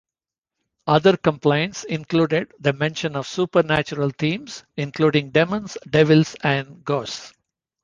Other complaints included the mention of supernatural themes, including demons, devils, and ghosts.